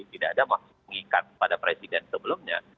tidak ada maksud mengikat pada presiden sebelumnya